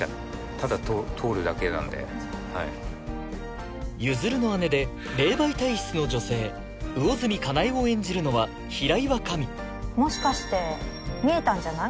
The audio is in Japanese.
ただ通るだけなんではい譲の姉で霊媒体質の女性魚住叶恵を演じるのは平岩紙もしかして見えたんじゃない？